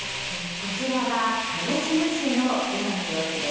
こちらは鹿児島市の今の様子です。